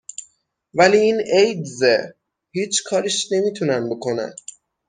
ولی این ایدزه، هیچ کاریش نمی تونن بکنن